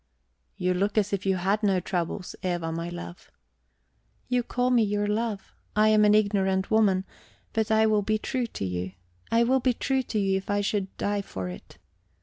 "You look as if you had no troubles, Eva, my love." "You call me your love! I am an ignorant woman, but I will be true to you. I will be true to you if I should die for it.